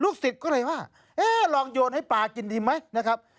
สิทธิ์ก็เลยว่าเอ๊ะลองโยนให้ปลากินดีไหมนะครับ